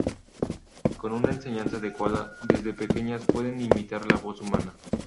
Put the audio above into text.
Con una enseñanza adecuada, desde pequeñas, pueden imitar la voz humana.